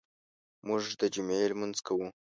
موږ د جمعې لمونځ کوو.